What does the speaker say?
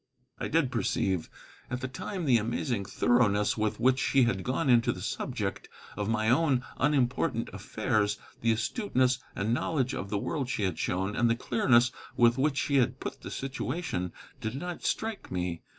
I did perceive. At the time the amazing thoroughness with which she had gone into the subject of my own unimportant affairs, the astuteness and knowledge of the world she had shown, and the clearness with which she had put the situation, did not strike me.